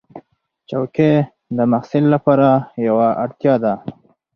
چوکۍ د محصل لپاره یوه اړتیا ده.